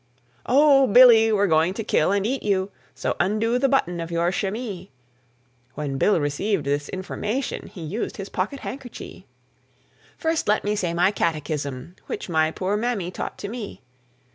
"Oh! Billy, we're going to kill and eat you, So undo the button of your chemie." When Bill received this information He used his pocket handkerchie. "First let me say my catechism, Which my poor mammy taught to me."